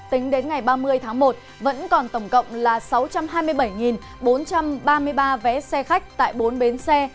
tính đến ngày ba mươi tháng một vẫn còn tổng cộng là sáu trăm hai mươi bảy bốn trăm ba mươi ba vé xe khách tại bốn bến xe